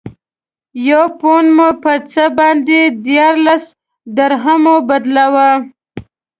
یو پونډ مو په څه باندې دیارلس درهمو بدلاوه.